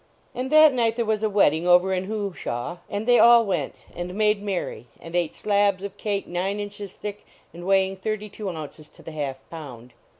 And that night there was a wedding over in Hooshaw, and they all went, and made merry, and ate slabs of cake nine inches thick and weighing thirty two ounces to the half pound.